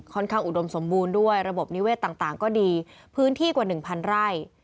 ค่อนข้างอุดมสมบูรณ์ด้วยระบบนิเวศต่างก็ดีพื้นที่กว่า๑๐๐๐ไร่